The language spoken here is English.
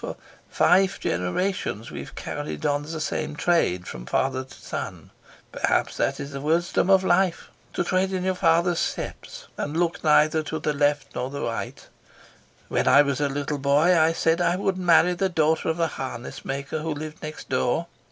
For five generations we've carried on the same trade, from father to son. Perhaps that is the wisdom of life, to tread in your father's steps, and look neither to the right nor to the left. When I was a little boy I said I would marry the daughter of the harness maker who lived next door.